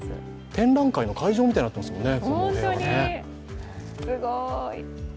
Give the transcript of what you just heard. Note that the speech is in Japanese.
展覧会の会場みたいになってますもんね。